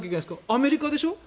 アメリカでしょ。